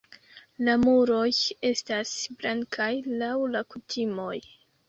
La muroj estas blankaj laŭ la kutimoj.